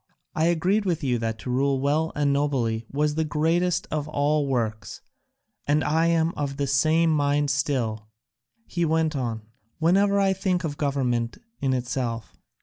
I agreed with you that to rule well and nobly was the greatest of all works, and I am of the same mind still," he went on, "whenever I think of government in itself.